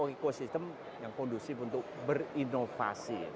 ekosistem yang kondusif untuk berinovasi